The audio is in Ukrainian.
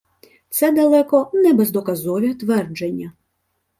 Це далеко не бездоказові твердження